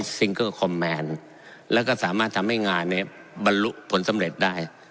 ซิงเกิลคอมแมนแล้วก็สามารถทำให้งานเนี่ยบรรลุผลสำเร็จได้